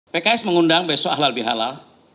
pks mengundang besok halal bihalal